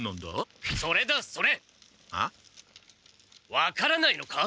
分からないのか！？